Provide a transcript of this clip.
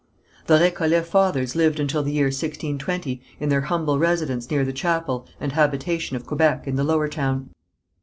The Récollet fathers lived until the year 1620 in their humble residence near the chapel and habitation of Quebec, in the Lower Town.